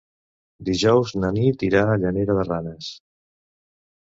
Dijous na Nit irà a Llanera de Ranes.